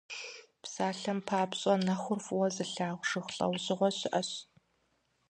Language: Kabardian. Псалъэм папщӀэ, нэхур фӀыуэ зылъагъу жыг лӀэужьыгъуэ щыӀэщ.